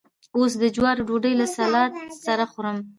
اوس د جوارو ډوډۍ له سلاد سره خورم.